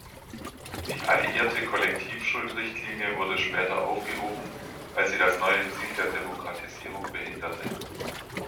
Die alliierte Kollektivschuld-Richtlinie wurde später aufgehoben, weil sie das neue Ziel der Demokratisierung behinderte.